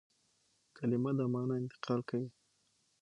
کلیمه د مانا انتقال کوي.